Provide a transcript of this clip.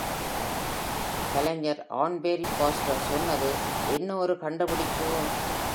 கலைஞர் Anne Marie Foster சொன்னது, என்ன ஒரு கண்டுபிடிப்பு!